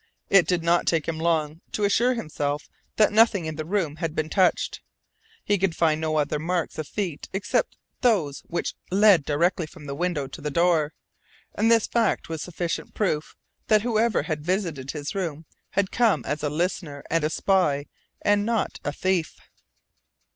It did not take him long to assure himself that nothing in the room had been touched. He could find no other marks of feet except those which led directly from the window to the door, and this fact was sufficient proof that whoever had visited his room had come as a listener and a spy and not as a thief.